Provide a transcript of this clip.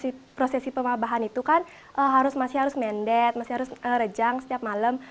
jadi kan terus setelah selesai prosesi pemabahan itu kan harus masih harus mendet masih harus rejang setiap malam